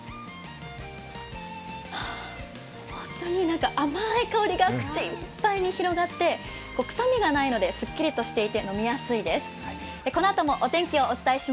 本当に甘い香りが口いっぱいに広がって臭みがないので、すっきりとしていて飲みやすいです。